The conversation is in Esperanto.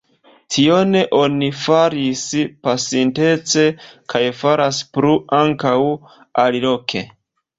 Tion oni faris pasintece kaj faras plu ankaŭ aliloke.